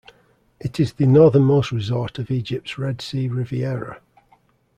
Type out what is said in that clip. It is the northernmost resort of Egypt's Red Sea Riviera.